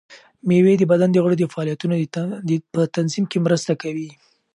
مېوې د بدن د غړو د فعالیتونو په تنظیم کې مرسته کوي.